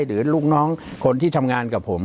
หรือลูกน้องคนที่ทำงานกับผม